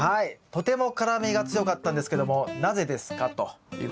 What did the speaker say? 「とても辛みが強かったんですけどもなぜですか？」ということですけども。